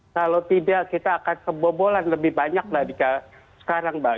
kalau tidak kita akan kebobolan lebih banyak daripada sekarang mbak